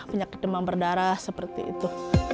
penyakit demam berdarah seperti itu